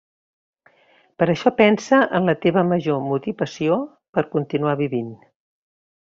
Per això pensa en la teva major motivació per continuar vivint.